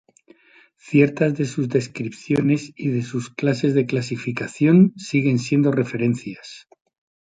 Ciertas de sus descripciones y de sus clases de clasificación siguen siendo referencias.